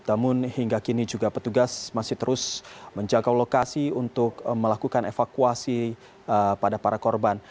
namun hingga kini juga petugas masih terus menjaga lokasi untuk melakukan evakuasi pada para korban